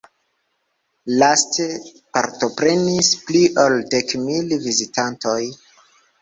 Laste partoprenis pli ol dek mil vizitantoj.